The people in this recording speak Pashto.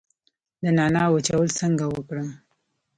د نعناع وچول څنګه وکړم؟